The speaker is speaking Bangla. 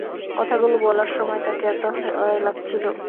কথাগুলি বলার সময় তাকে এত অসহায় লাগছিল!